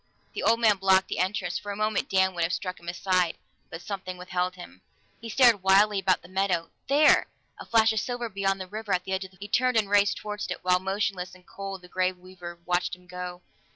The old man blocked the entrance; for a moment Dan would have struck him aside, but something withheld him. He stared wildly about the meadow there! A flash of silver beyond the river, at the edge of the forest. He turned and raced toward it, while motionless and cold the Grey Weaver watched him go.